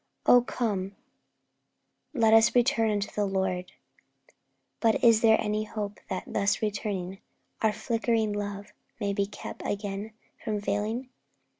Oh, 'Come and let us return unto the Lord!' But is there any hope that, thus returning, our flickering love may be kept from again failing?